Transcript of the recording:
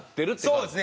そうですね